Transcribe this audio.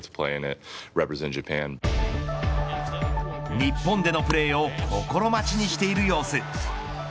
日本でのプレーを心待ちにしている様子。